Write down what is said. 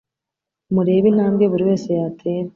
Murebe intambwe buri wese yatera